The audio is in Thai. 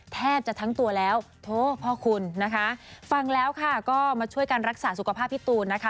แทบจะทั้งตัวแล้วโถพ่อคุณนะคะฟังแล้วค่ะก็มาช่วยกันรักษาสุขภาพพี่ตูนนะคะ